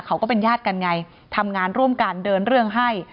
ก็เป็นญาติกันไงทำงานร่วมกันเดินเรื่องให้